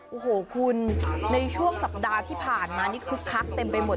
โอ้โหคุณในช่วงสัปดาห์ที่ผ่านมานี่คึกคักเต็มไปหมด